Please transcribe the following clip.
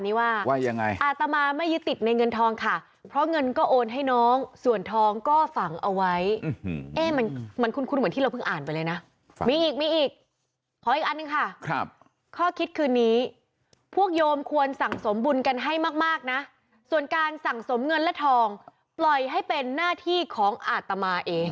ด้วยเงินและทองปล่อยให้เป็นหน้าที่ของอาตมาเอง